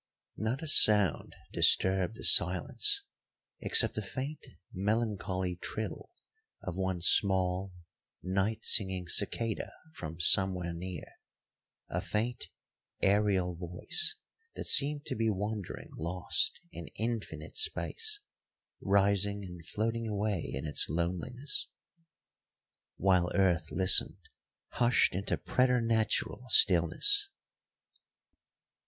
Not a sound disturbed the silence except the faint, melancholy trill of one small night singing cicada from somewhere near a faint, aerial voice that seemed to be wandering lost in infinite space, rising and floating away in its loneliness, while earth listened, hushed into preternatural stillness.